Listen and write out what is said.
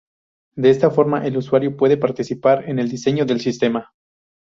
De esta forma, el usuario puede participar en el diseño del sistema.